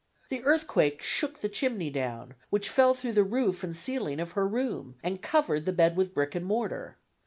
The earthquake shook the chimney down, which fell through the roof and ceiling of her room, and covered the bed with brick and mortar.